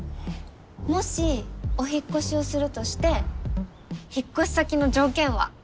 もしお引っ越しをするとして引っ越し先の条件は？